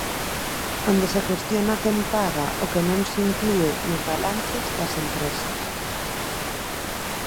Onde se cuestiona quen paga o que non se inclúe nos balances das empresas.